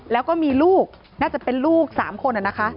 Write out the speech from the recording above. แล้วก็มีลูกน่าจะเป็นลูก๓คนนะคะ